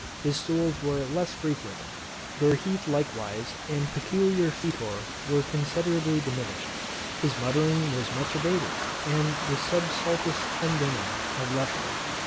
His stools were less frequent; their heat likewise and peculiar foetor were considerably diminished; his muttering was much abated, and the subsultus tendinum had left him.